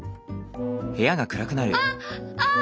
あっああ